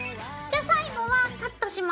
じゃあ最後はカットします。